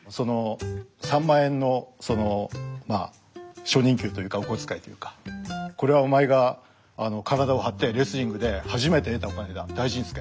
３万円の初任給というかお小遣いというか「これはお前が体を張ってレスリングで初めて得たお金だ大事に使え」。